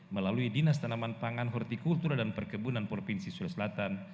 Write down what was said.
melalui dinas tanaman pangan hortikultura dan perkebunan provinsi sulawesi selatan